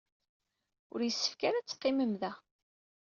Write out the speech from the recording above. Ur yessefk ara ad teqqimem da.